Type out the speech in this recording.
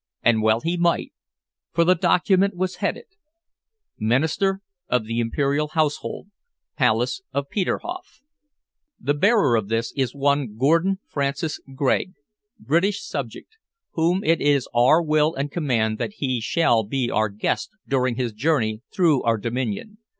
And well he might, for the document was headed: "MINISTER OF THE IMPERIAL HOUSEHOLD, PALACE OF PETERHOF. "The bearer of this is one Gordon Francis Gregg, British subject, whom it is Our will and command that he shall be Our guest during his journey through our dominion.